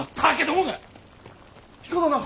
彦殿！